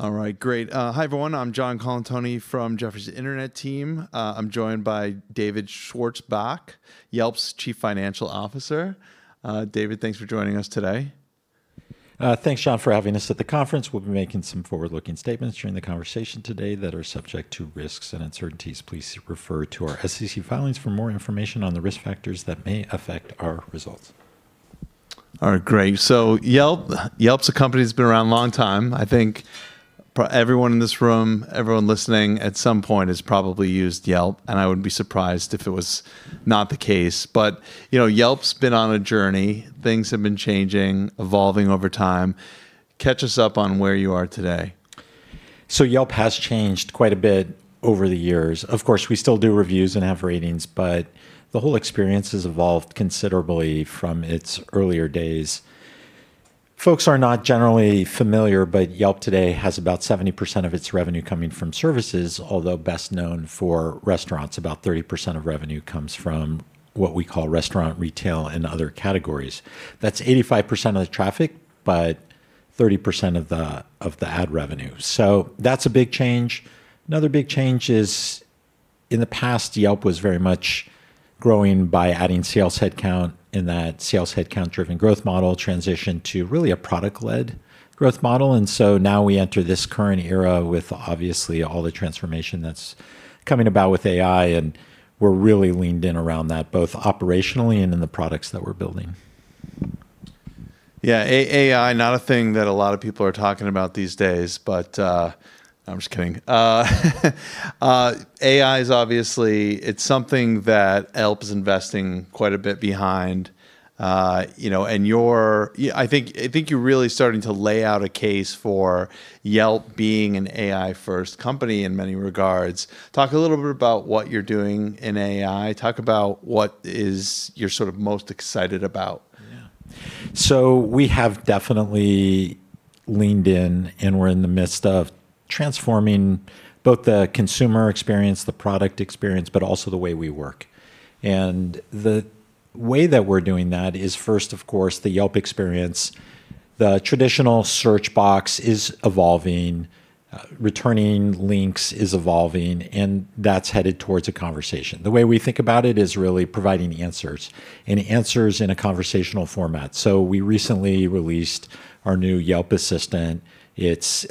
All right, great. Hi, everyone. I'm John Colantuoni from Jefferies Internet team. I'm joined by David Schwarzbach, Yelp's Chief Financial Officer. David, thanks for joining us today. Thanks, John, for having us at the conference. We'll be making some forward-looking statements during the conversation today that are subject to risks and uncertainties. Please refer to our SEC filings for more information on the risk factors that may affect our results. All right, great. Yelp's a company that's been around a long time. I think everyone in this room, everyone listening, at some point has probably used Yelp, and I would be surprised if it was not the case. Yelp's been on a journey. Things have been changing, evolving over time. Catch us up on where you are today. Yelp has changed quite a bit over the years. Of course, we still do reviews and have ratings, but the whole experience has evolved considerably from its earlier days. Folks are not generally familiar, but Yelp today has about 70% of its revenue coming from services, although best known for restaurants. About 30% of revenue comes from what we call restaurant, retail, and other categories. That's 85% of the traffic, but 30% of the ad revenue. That's a big change. Another big change is, in the past, Yelp was very much growing by adding sales headcount, and that sales headcount-driven growth model transitioned to really a product-led growth model. Now we enter this current era with obviously all the transformation that's coming about with AI, and we're really leaned in around that, both operationally and in the products that we're building. Yeah, AI, not a thing that a lot of people are talking about these days. I'm just kidding. AI is obviously something that Yelp is investing quite a bit behind. I think you're really starting to lay out a case for Yelp being an AI-first company in many regards. Talk a little bit about what you're doing in AI. Talk about what you're most excited about. Yeah. We have definitely leaned in, and we're in the midst of transforming both the consumer experience, the product experience, but also the way we work. The way that we're doing that is first, of course, the Yelp experience. The traditional search box is evolving. Returning links is evolving, and that's headed towards a conversation. The way we think about it is really providing answers, and answers in a conversational format. We recently released our new Yelp Assistant it's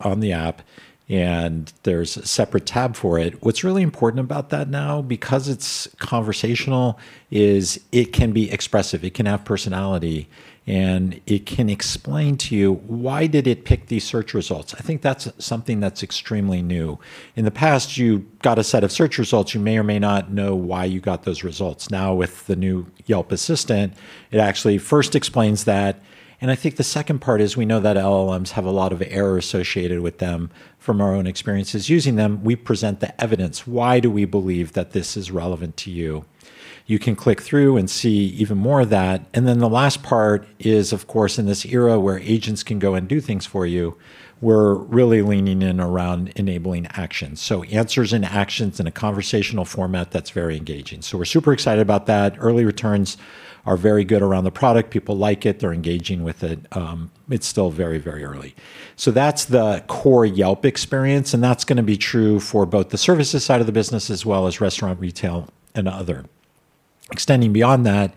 on the app, and there's a separate tab for it. What's really important about that now, because it's conversational, is it can be expressive, it can have personality, and it can explain to you why did it pick these search results. I think that's something that's extremely new. In the past, you got a set of search results. You may or may not know why you got those results. With the new Yelp Assistant, it actually first explains that. I think the second part is we know that LLMs have a lot of error associated with them from our own experiences using them. We present the evidence. Why do we believe that this is relevant to you, you can click through and see even more of that. The last part is, of course, in this era where agents can go and do things for you, we're really leaning in around enabling action. Answers and actions in a conversational format, that's very engaging. We're super excited about that early returns are very good around the product people like it they're engaging with it's still very early. That's the core Yelp experience, and that's going to be true for both the services side of the business as well as restaurant, retail, and other. Extending beyond that,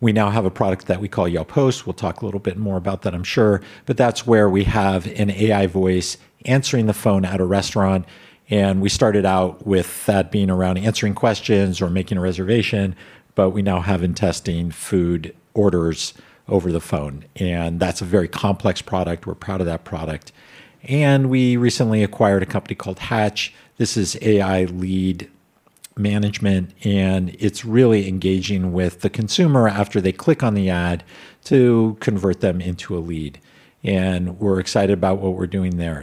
we now have a product that we call Yelp Connect. We'll talk a little bit more about that, I'm sure that's where we have an AI voice answering the phone at a restaurant, and we started out with that being around answering questions or making a reservation. We now have in testing food orders over the phone, and that's a very complex product. We're proud of that product we recently acquired a company called Hatch. This is AI lead management, and it's really engaging with the consumer after they click on the ad to convert them into a lead. We're excited about what we're doing there.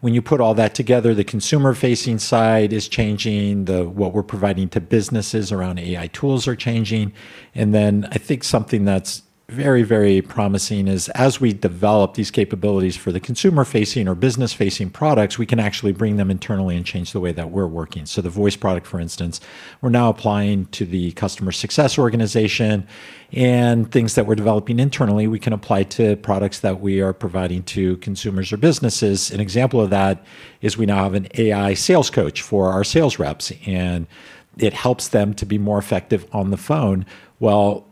When you put all that together, the consumer-facing side is changing. What we're providing to businesses around AI tools are changing. I think something that's very promising is as we develop these capabilities for the consumer-facing or business-facing products, we can actually bring them internally and change the way that we're working. The voice product, for instance, we're now applying to the customer success organization, and things that we're developing internally we can apply to products that we are providing to consumers or businesses. An example of that is we now have an AI sales coach for our sales reps, and it helps them to be more effective on the phone.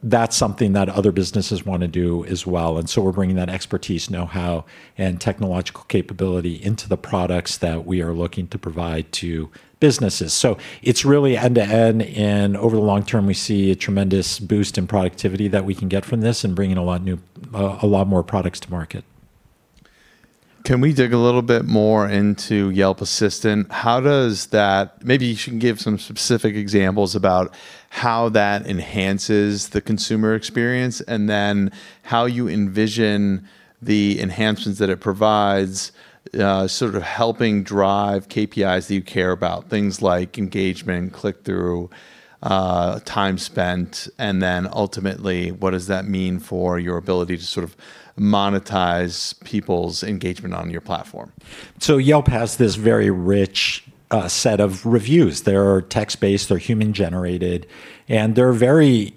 That's something that other businesses want to do as well, and so we're bringing that expertise, know-how, and technological capability into the products that we are looking to provide to businesses. It's really end-to-end, and over the long term, we see a tremendous boost in productivity that we can get from this and bringing a lot more products to market. Can we dig a little bit more into Yelp Assistant? Maybe you can give some specific examples about how that enhances the consumer experience, and then how you envision the enhancements that it provides, sort of helping drive KPIs that you care about, things like engagement, click-through, time spent, and then ultimately, what does that mean for your ability to monetize people's engagement on your platform? Yelp has this very rich set of reviews. They're text-based, they're human-generated, and they're very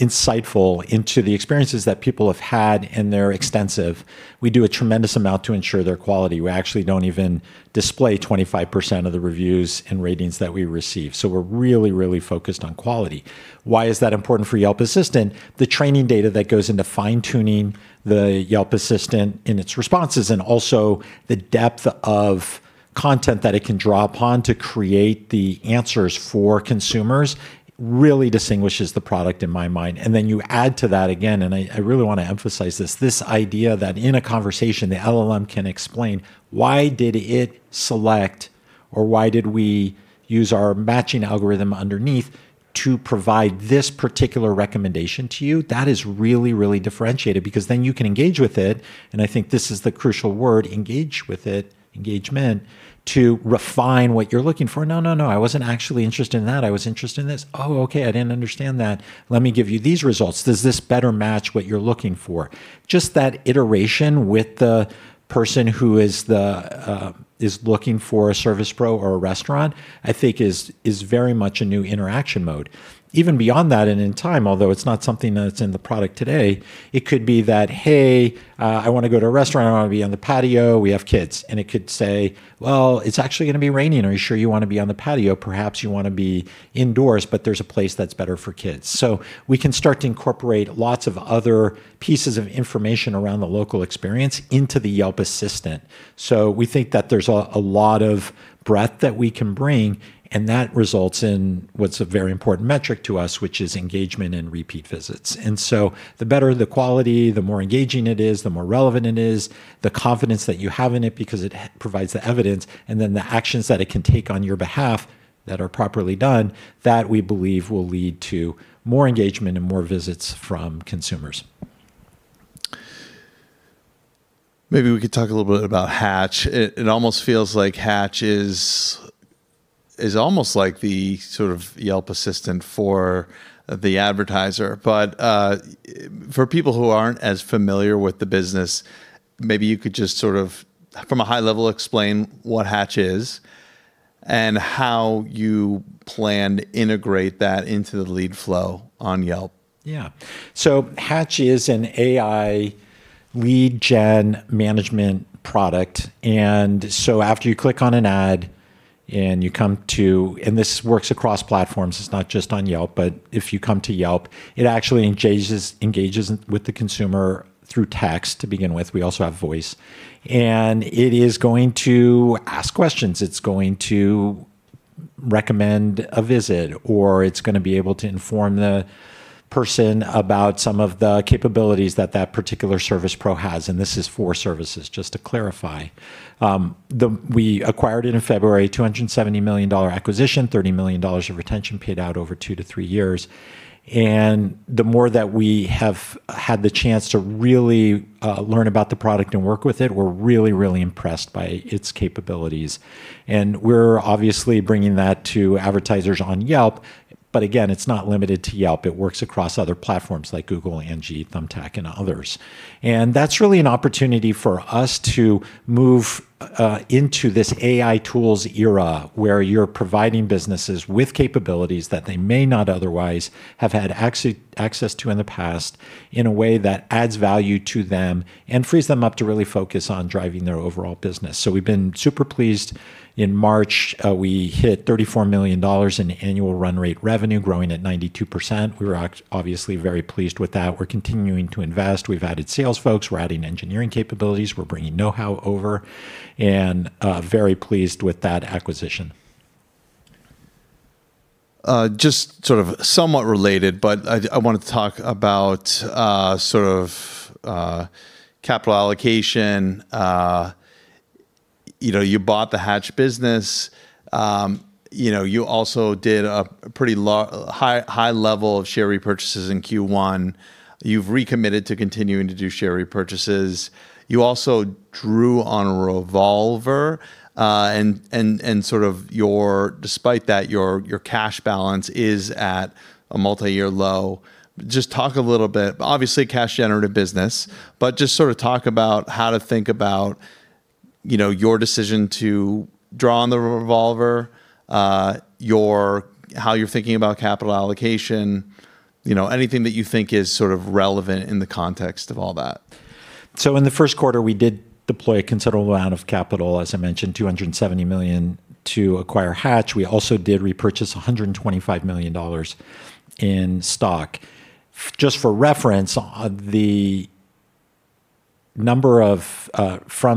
insightful into the experiences that people have had, and they're extensive. We do a tremendous amount to ensure their quality. We actually don't even display 25% of the reviews and ratings that we receive. We're really focused on quality. Why is that important for Yelp Assistant? The training data that goes into fine-tuning the Yelp Assistant in its responses, and also the depth of content that it can draw upon to create the answers for consumers really distinguishes the product in my mind. You add to that again, and I really want to emphasize this idea that in a conversation, the LLM can explain why did it select or why did we use our matching algorithm underneath to provide this particular recommendation to you. That is really, really differentiated because then you can engage with it, and I think this is the crucial word, engage with it, engagement, to refine what you're looking for. "No, no. I wasn't actually interested in that. I was interested in this." "Oh, okay. I didn't understand that. Let me give you these results. Does this better match what you're looking for?" Just that iteration with the person who is looking for a service pro or a restaurant, I think is very much a new interaction mode. Even beyond that and in time, although it's not something that's in the product today, it could be that, "Hey, I want to go to a restaurant. I want to be on the patio. We have kids." It could say, "Well, it's actually going to be raining. Are you sure you want to be on the patio? Perhaps you want to be indoors, but there's a place that's better for kids. We can start to incorporate lots of other pieces of information around the local experience into the Yelp Assistant. We think that there's a lot of breadth that we can bring, and that results in what's a very important metric to us, which is engagement and repeat visits. The better the quality, the more engaging it is, the more relevant it is, the confidence that you have in it because it provides the evidence, and then the actions that it can take on your behalf that are properly done, that we believe will lead to more engagement and more visits from consumers. Maybe we could talk a little bit about Hatch. It almost feels like Hatch is almost like the sort of Yelp Assistant for the advertiser. For people who aren't as familiar with the business, maybe you could just sort of from a high level explain what Hatch is and how you plan to integrate that into the lead flow on Yelp. Yeah. Hatch is an AI lead gen management product. After you click on an ad. This works across platforms. It's not just on Yelp, but if you come to Yelp, it actually engages with the consumer through text to begin with. We also have voice. It is going to ask questions. It's going to recommend a visit, or it's going to be able to inform the person about some of the capabilities that that particular service pro has, and this is for services, just to clarify. We acquired it in February, $270 million acquisition, $30 million of retention paid out over two to three years. The more that we have had the chance to really learn about the product and work with it, we're really impressed by its capabilities. We're obviously bringing that to advertisers on Yelp. Again, it's not limited to Yelp. It works across other platforms like Google, Angi, Thumbtack, and others. That's really an opportunity for us to move into this AI tools era, where you're providing businesses with capabilities that they may not otherwise have had access to in the past in a way that adds value to them and frees them up to really focus on driving their overall business we've been super pleased. In March, we hit $34 million in annual run rate revenue, growing at 92%. We were obviously very pleased with that. We're continuing to invest we've added sales folks. We're adding engineering capabilities. We're bringing know-how over and very pleased with that acquisition. Just sort of somewhat related, but I wanted to talk about sort of capital allocation. You bought the Hatch business. You also did a pretty high level of share repurchases in Q1. You've recommitted to continuing to do share repurchases. You also drew on a revolver, and sort of despite that, your cash balance is at a multi-year low. Just talk a little bit. Obviously, cash generative business, but just sort of talk about how to think about your decision to draw on the revolver, how you're thinking about capital allocation, anything that you think is sort of relevant in the context of all that. In the first quarter, we did deploy a considerable amount of capital, as I mentioned, $270 million to acquire Hatch. We also did repurchase $125 million in stock. Just for reference, from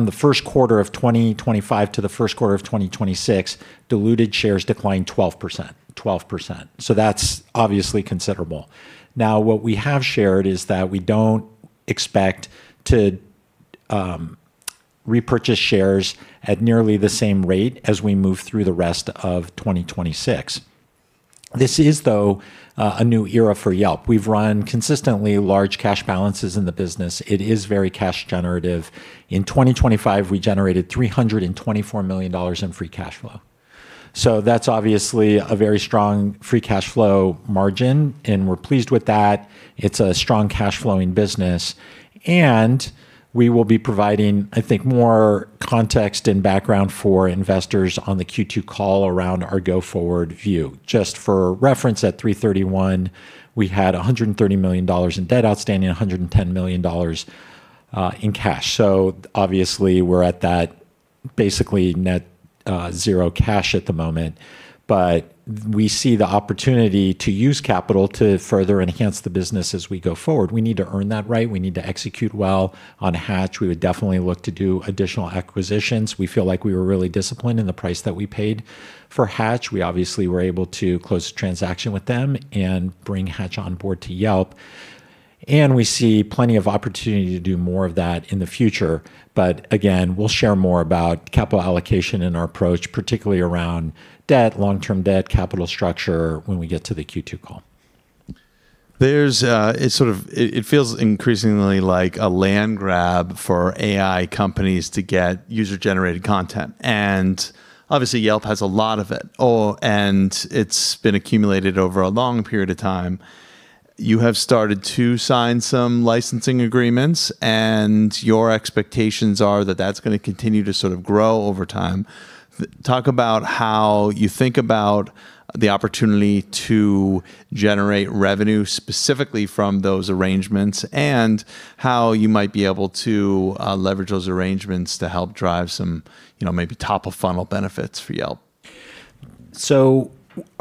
the first quarter of 2025 to the first quarter of 2026, diluted shares declined 12%. That's obviously considerable what we have shared is that we don't expect to repurchase shares at nearly the same rate as we move through the rest of 2026. This is, though, a new era for Yelp. We've run consistently large cash balances in the business. It is very cash generative. In 2025, we generated $324 million in free cash flow that's obviously a very strong free cash flow margin, and we're pleased with that. It's a strong cash flowing business, and we will be providing, I think, more context and background for investors on the Q2 call around our go-forward view. Just for reference, at 331, we had $130 million in debt outstanding, $110 million in cash. Obviously we're at that basically net zero cash at the moment. We see the opportunity to use capital to further enhance the business as we go forward. We need to earn that right, we need to execute well on Hatch, we would definitely look to do additional acquisitions. We feel like we were really disciplined in the price that we paid for Hatch. We obviously were able to close a transaction with them and bring Hatch on board to Yelp, and we see plenty of opportunity to do more of that in the future. Again, we'll share more about capital allocation and our approach, particularly around debt, long-term debt, capital structure, when we get to the Q2 call. It feels increasingly like a land grab for AI companies to get user-generated content, and obviously Yelp has a lot of it, and it's been accumulated over a long period of time. You have started to sign some licensing agreements, and your expectations are that that's going to continue to sort of grow over time. Talk about how you think about the opportunity to generate revenue specifically from those arrangements, and how you might be able to leverage those arrangements to help drive some maybe top-of-funnel benefits for Yelp.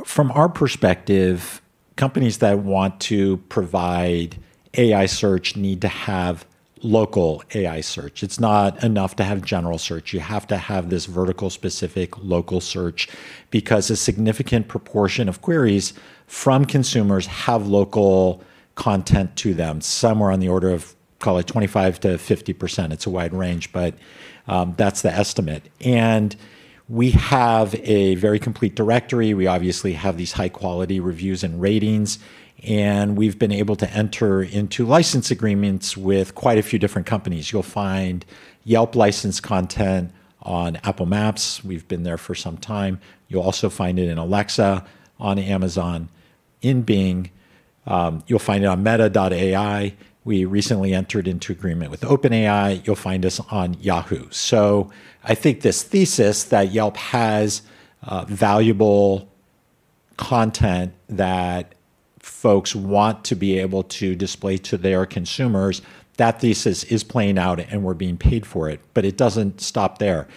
From our perspective, companies that want to provide AI search need to have local AI search it's not enough to have general search. You have to have this vertical specific local search, because a significant proportion of queries from consumers have local content to them, somewhere on the order of call it 25%-50%. It's a wide range, but that's the estimate. We have a very complete directory we obviously have these high-quality reviews and ratings, and we've been able to enter into license agreements with quite a few different companies. You'll find Yelp licensed content on Apple Maps we've been there for some time. You'll also find it in Alexa, on Amazon, in Bing, you'll find it on Meta AI we recently entered into agreement with OpenAI. You'll find us on Yahoo. I think this thesis that Yelp has valuable content that folks want to be able to display to their consumers, that thesis is playing out and we're being paid for it, but it doesn't stop there.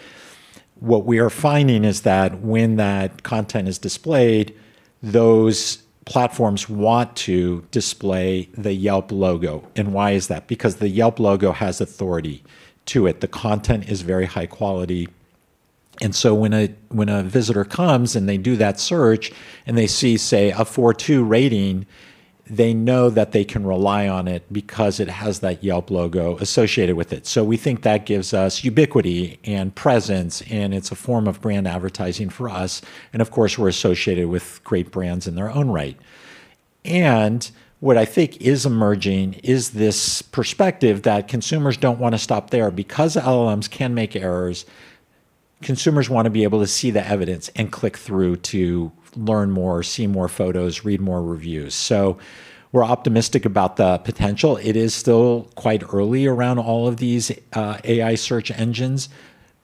What we are finding is that when that content is displayed, those platforms want to display the Yelp logo. Why is that, because the Yelp logo has authority to it. The content is very high quality, and so when a visitor comes and they do that search and they see, say, a 4.2 rating, they know that they can rely on it because it has that Yelp logo associated with it. We think that gives us ubiquity and presence, and it's a form of brand advertising for us, and of course, we're associated with great brands in their own right. What I think is emerging is this perspective that consumers don't want to stop there because LLMs can make errors, consumers want to be able to see the evidence and click through to learn more, see more photos, read more reviews. We're optimistic about the potential it is still quite early around all of these AI search engines,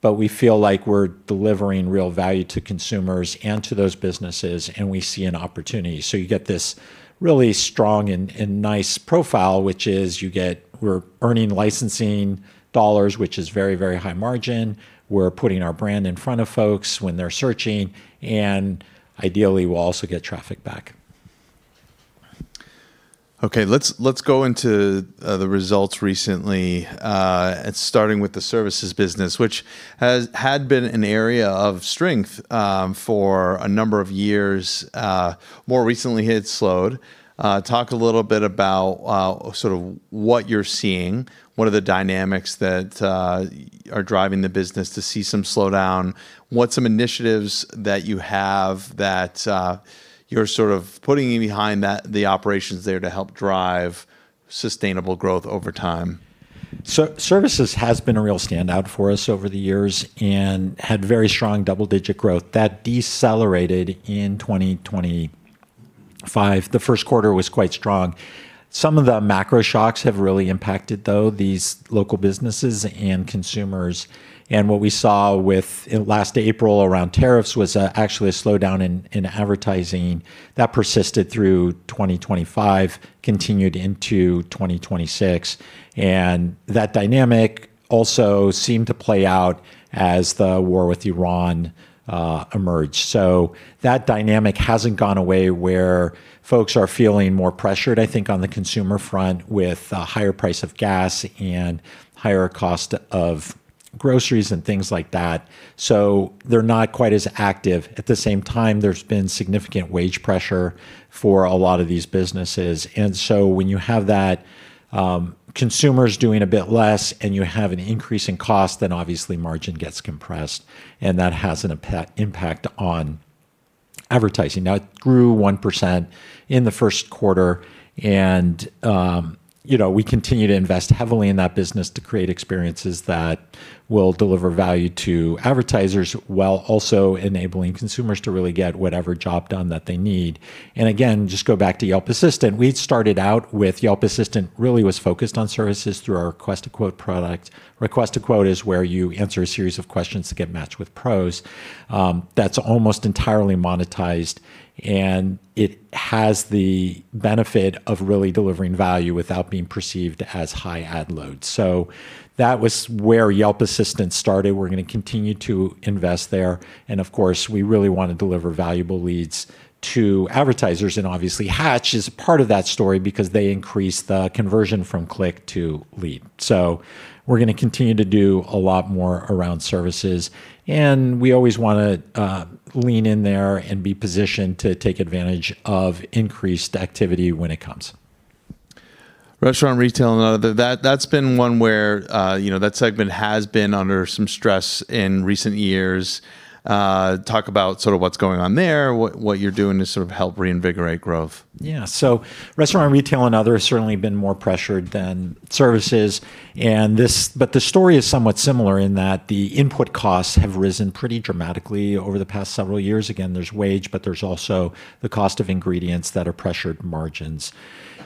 but we feel like we're delivering real value to consumers and to those businesses, and we see an opportunity. You get this really strong and nice profile, which is we're earning licensing dollars, which is very, very high margin. We're putting our brand in front of folks when they're searching, and ideally, we'll also get traffic back. Let's go into the results recently, starting with the services business, which had been an area of strength for a number of years. More recently, it slowed. Talk a little bit about what you're seeing. What are the dynamics that are driving the business to see some slowdown? What's some initiatives that you have that you're putting behind the operations there to help drive sustainable growth over time? Services has been a real standout for us over the years and had very strong double-digit growth that decelerated in 2025 the first quarter was quite strong. Some of the macro shocks have really impacted, though, these local businesses and consumers. What we saw with last April around tariffs was actually a slowdown in advertising that persisted through 2025, continued into 2026. That dynamic also seemed to play out as the war with Iran emerged. That dynamic hasn't gone away where folks are feeling more pressured, I think, on the consumer front with higher price of gas and higher cost of groceries and things like that, so they're not quite as active. At the same time, there's been significant wage pressure for a lot of these businesses. When you have that, consumers doing a bit less and you have an increase in cost, then obviously margin gets compressed, and that has an impact on advertising. Now it grew 1% in the first quarter and we continue to invest heavily in that business to create experiences that will deliver value to advertisers while also enabling consumers to really get whatever job done that they need. Again, just go back to Yelp Assistant we'd started out with Yelp Assistant really was focused on services through our Request a Quote product. Request a Quote is where you answer a series of questions to get matched with pros. That's almost entirely monetized, and it has the benefit of really delivering value without being perceived as high ad load. That was where Yelp Assistant started. We're going to continue to invest there, and of course, we really want to deliver valuable leads to advertisers, and obviously Hatch is a part of that story because they increase the conversion from click to lead. We're going to continue to do a lot more around services, and we always want to lean in there and be positioned to take advantage of increased activity when it comes. Restaurant and retail and other. That's been one where that segment has been under some stress in recent years. Talk about sort of what's going on there, what you're doing to sort of help reinvigorate growth. Yeah. Restaurant, retail, and other has certainly been more pressured than services. The story is somewhat similar in that the input costs have risen pretty dramatically over the past several years. Again, there's wage, but there's also the cost of ingredients that are pressured margins.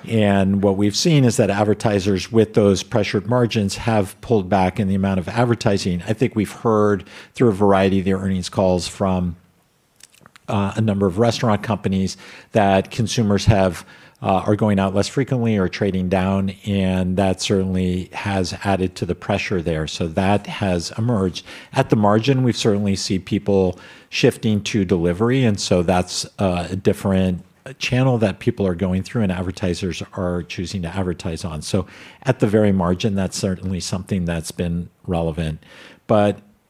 What we've seen is that advertisers with those pressured margins have pulled back in the amount of advertising. I think we've heard through a variety of their earnings calls from a number of restaurant companies that consumers are going out less frequently or trading down, and that certainly has added to the pressure there. That has emerged. At the margin, we've certainly see people shifting to delivery, and so that's a different channel that people are going through and advertisers are choosing to advertise on. At the very margin, that's certainly something that's been relevant.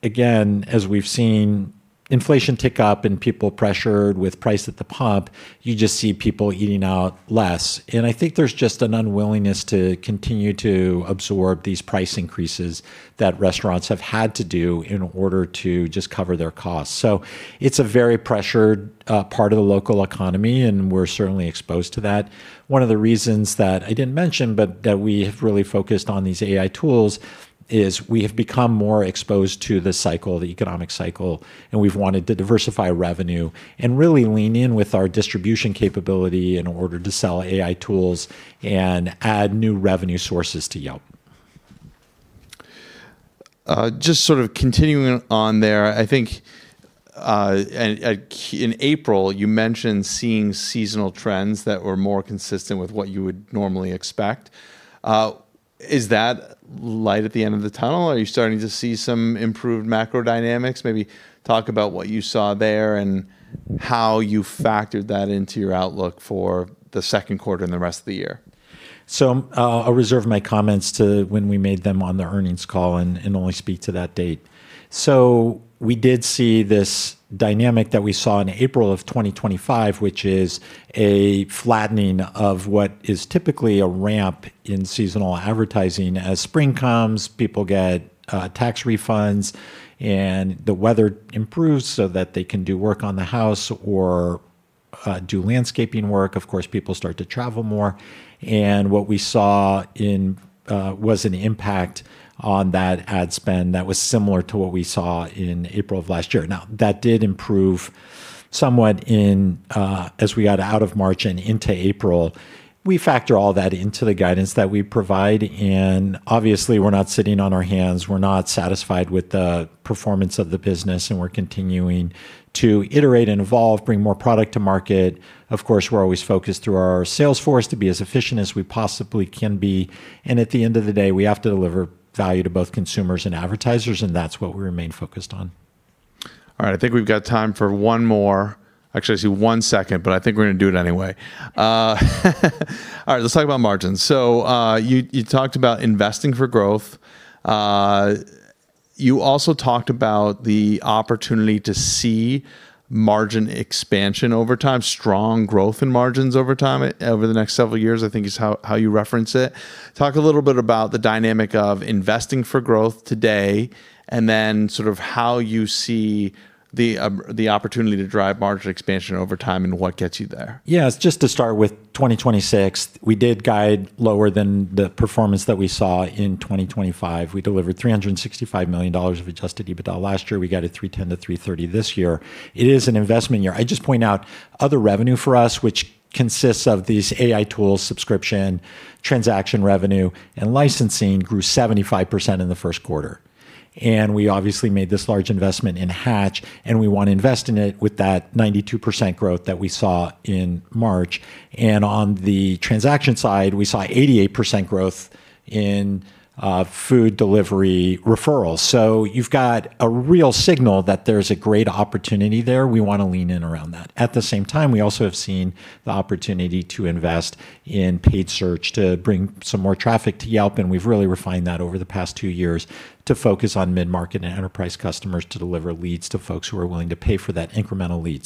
Again, as we've seen inflation tick up and people pressured with price at the pump, you just see people eating out less. I think there's just an unwillingness to continue to absorb these price increases that restaurants have had to do in order to just cover their costs. It's a very pressured part of the local economy, and we're certainly exposed to that. One of the reasons that I didn't mention, but that we have really focused on these AI tools is we have become more exposed to the cycle, the economic cycle, and we've wanted to diversify revenue and really lean in with our distribution capability in order to sell AI tools and add new revenue sources to Yelp. Just sort of continuing on there, I think in April, you mentioned seeing seasonal trends that were more consistent with what you would normally expect. Is that light at the end of the tunnel? Are you starting to see some improved macro dynamics? Maybe talk about what you saw there and how you factored that into your outlook for the second quarter and the rest of the year. I'll reserve my comments to when we made them on the earnings call and only speak to that date. We did see this dynamic that we saw in April of 2025, which is a flattening of what is typically a ramp in seasonal advertising. As spring comes, people get tax refunds, and the weather improves so that they can do work on the house or do landscaping work. Of course, people start to travel more. What we saw was an impact on that ad spend that was similar to what we saw in April of last year. That did improve somewhat as we got out of March and into April. We factor all that into the guidance that we provide, and obviously we're not sitting on our hands. We're not satisfied with the performance of the business, and we're continuing to iterate and evolve, bring more product to market. Of course, we're always focused through our sales force to be as efficient as we possibly can be. At the end of the day, we have to deliver value to both consumers and advertisers, and that's what we remain focused on. All right. I think we've got time for one more. Actually, I see one second, but I think we're going to do it anyway. All right. Let's talk about margins. You talked about investing for growth. You also talked about the opportunity to see margin expansion over time, strong growth in margins over time, over the next several years, I think is how you reference it. Talk a little bit about the dynamic of investing for growth today, and then sort of how you see the opportunity to drive margin expansion over time and what gets you there. Yeah. Just to start with 2026, we did guide lower than the performance that we saw in 2025. We delivered $365 million of adjusted EBITDA last year. We guided $310 million-$330 million this year. It is an investment year. I'd just point out other revenue for us, which consists of these AI tools, subscription, transaction revenue, and licensing grew 75% in the first quarter. We obviously made this large investment in Hatch, and we want to invest in it with that 92% growth that we saw in March. On the transaction side, we saw 88% growth in food delivery referrals. You've got a real signal that there's a great opportunity there. We want to lean in around that. At the same time, we also have seen the opportunity to invest in paid search to bring some more traffic to Yelp, and we've really refined that over the past two years to focus on mid-market and enterprise customers to deliver leads to folks who are willing to pay for that incremental lead.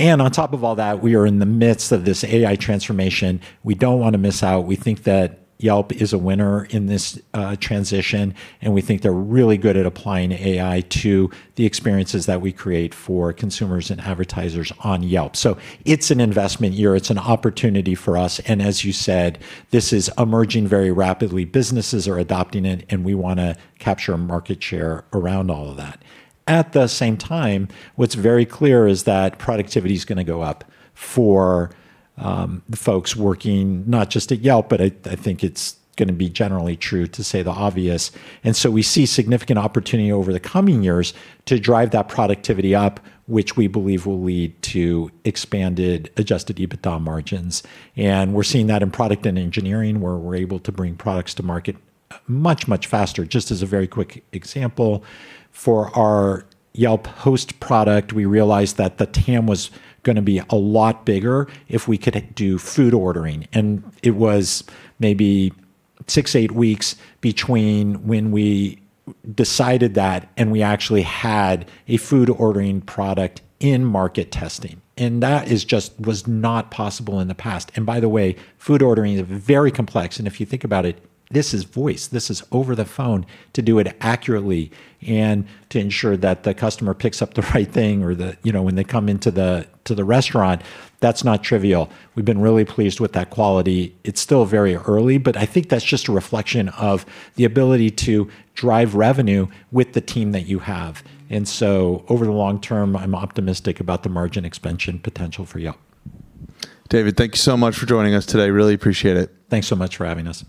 On top of all that, we are in the midst of this AI transformation. We don't want to miss out. We think that Yelp is a winner in this transition, and we think they're really good at applying AI to the experiences that we create for consumers and advertisers on Yelp. It's an investment year. It's an opportunity for us. As you said, this is emerging very rapidly. Businesses are adopting it, and we want to capture a market share around all of that. At the same time, what's very clear is that productivity is going to go up for the folks working, not just at Yelp, but I think it's going to be generally true to say the obvious. We see significant opportunity over the coming years to drive that productivity up, which we believe will lead to expanded, adjusted EBITDA margins. We're seeing that in product and engineering, where we're able to bring products to market much, much faster. Just as a very quick example, for our Yelp Host product, we realized that the TAM was going to be a lot bigger if we could do food ordering. It was maybe six, eight weeks between when we decided that and we actually had a food ordering product in market testing. That just was not possible in the past. By the way, food ordering is very complex, and if you think about it, this is voice. This is over the phone to do it accurately and to ensure that the customer picks up the right thing or when they come into the restaurant, that's not trivial. We've been really pleased with that quality. It's still very early, but I think that's just a reflection of the ability to drive revenue with the team that you have. Over the long term, I'm optimistic about the margin expansion potential for Yelp. David, thank you so much for joining us today. Really appreciate it. Thanks so much for having us.